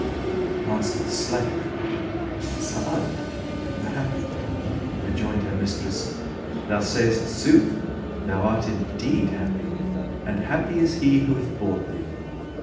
Answered the slave, "Sa'ad, the happy." Rejoined her mistress; "Thou sayst sooth, thou art indeed happy, and happy is he who hath bought thee."